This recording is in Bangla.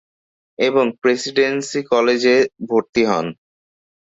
এবং প্রেসিডেন্সি কলেজ ভর্তি হন।